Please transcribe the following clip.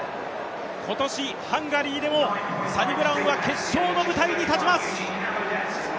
今年ハンガリーでもサニブラウンは決勝の舞台に立ちます。